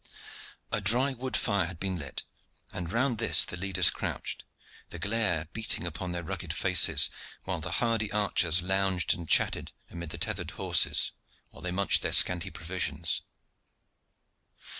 A dry wood fire had been lit, and round this the leaders crouched, the glare beating upon their rugged faces, while the hardy archers lounged and chatted amid the tethered horses, while they munched their scanty provisions.